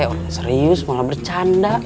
orang serius malah bercanda